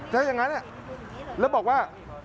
ถ้าอย่างนั้นแล้วบอกว่า